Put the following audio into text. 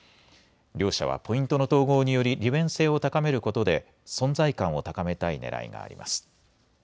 両社はポイントの統合により利便性を高めることで存在感を高めたいねらいがあります。